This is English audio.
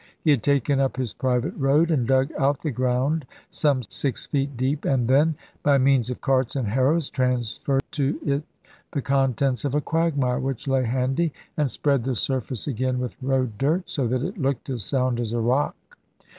He had taken up his private road, and dug out the ground some six feet deep, and then (by means of carts and harrows) transferred to it the contents of a quagmire, which lay handy, and spread the surface again with road dirt, so that it looked as sound as a rock.